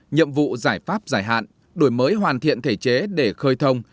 hai hai nhiệm vụ giải pháp giải hạn đổi mới hoàn thiện thể chế để khơi thông